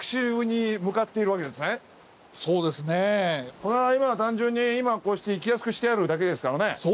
これは今単純に今こうして行きやすくしてあるだけですからね。